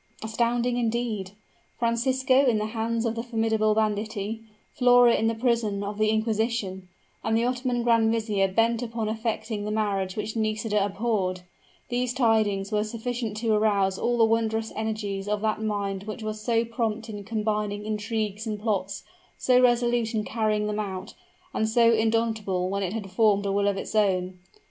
Astounding indeed! Francisco in the hands of the formidable banditti Flora in the prison of the inquisition and the Ottoman grand vizier bent upon effecting the marriage which Nisida abhorred these tidings were sufficient to arouse all the wondrous energies of that mind which was so prompt in combining intrigues and plots, so resolute in carrying them out, and so indomitable when it had formed a will of its own.